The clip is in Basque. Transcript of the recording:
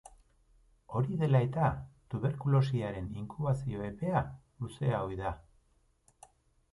Hori dela eta, tuberkulosiaren inkubazio epea luzea ohi da.